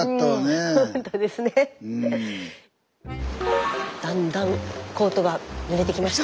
スタジオだんだんコートがぬれてきました。